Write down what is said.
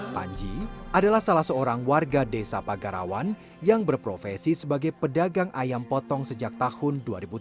panji adalah salah seorang warga desa pagarawan yang berprofesi sebagai pedagang ayam potong sejak tahun dua ribu tiga belas